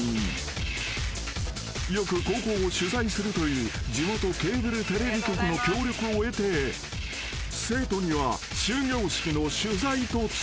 ［よく高校を取材するという地元ケーブルテレビ局の協力を得て生徒には終業式の取材と伝えてある］